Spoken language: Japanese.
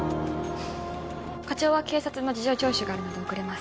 課長は警察の事情聴取があるので遅れます。